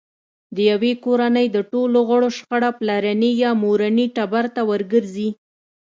د یوې کورنۍ د ټولو غړو شجره پلرني یا مورني ټبر ته ورګرځي.